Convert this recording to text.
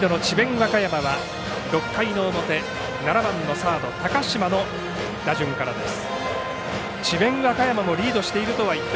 和歌山が６回の表７番サード高嶋からの打順です。